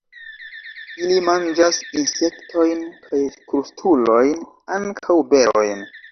Ili manĝas insektojn kaj krustulojn; ankaŭ berojn.